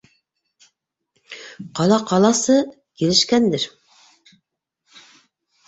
Ҡала ҡаласы килешкәндер...